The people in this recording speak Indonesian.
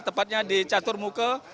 tepatnya di catur muke